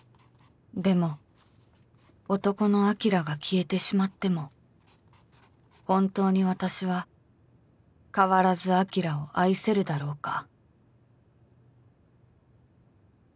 「でも男の晶が消えてしまっても本当に私は変わらず晶を愛せるだろうか」